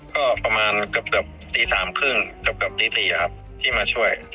ก็ประมาณเกือบตี๓๓๐เกือบตี๔ครับที่มาช่วย